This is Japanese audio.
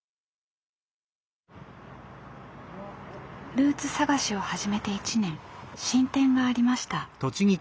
ルーツ探しを始めて１年進展がありました。